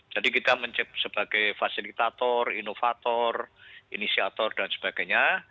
jadi kita menciptakan sebagai fasilitator inovator inisiator dan sebagainya